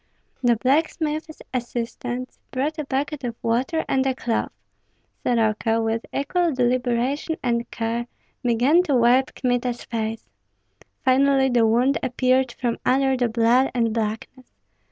The blacksmith's assistants brought a bucket of water and a cloth. Soroka, with equal deliberation and care, began to wipe Kmita's face. Finally the wound appeared from under the blood and blackness.